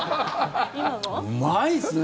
うまいっすね。